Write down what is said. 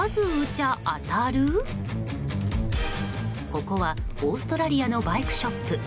ここはオーストラリアのバイクショップ。